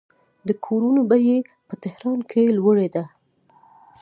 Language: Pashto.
د کورونو بیې په تهران کې لوړې دي.